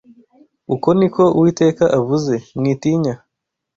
Uku ni ko Uwiteka avuze: “Mwitinya